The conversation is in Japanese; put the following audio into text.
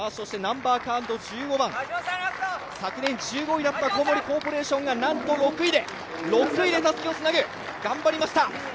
そして１５番、昨年、１５位だった小森コーポレーションがなんと６位でたすきをつなぐ、頑張りました。